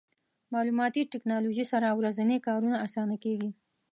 مالوماتي ټکنالوژي سره ورځني کارونه اسانه کېږي.